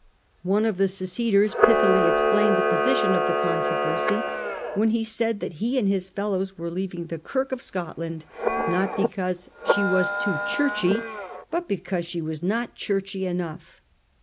One of the seceders pithily explained the position of the controversy when he said that he and his fellows were leaving the Kirk of Scotland, not because she was too 'churchy,' but because she was not ' churchy ' enough.